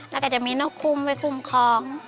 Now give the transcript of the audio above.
แล้วก็จะมีนกคุมไว้คุ้มครอง